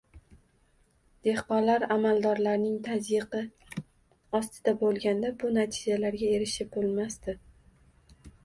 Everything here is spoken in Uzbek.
Dehqonlar amaldorlarning tazyiqi ostida bo‘lganda bu natijalarga erishib bo‘lmasdi.